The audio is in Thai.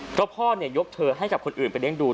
เพราะพ่อยกเธอให้กับคนอื่นไปเลี้ยงดู